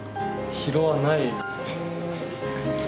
疲労はないです。